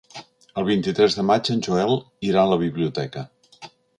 El vint-i-tres de maig en Joel irà a la biblioteca.